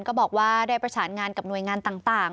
ก็บอกว่าได้ประสานงานกับหน่วยงานต่าง